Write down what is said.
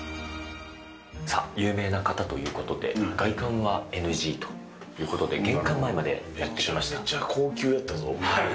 さあ、有名な方ということで、外観はＮＧということで、玄関前めちゃめちゃ高級だったぞ。